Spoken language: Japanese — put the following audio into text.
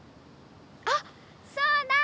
あっそうだ！